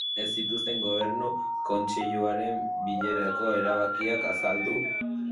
Ez zituzten gobernu kontseiluaren bilerako erabakiak azaldu.